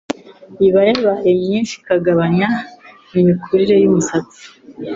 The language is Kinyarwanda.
iba yabaye myinshi ikagabanya imikurire y'umusatsi,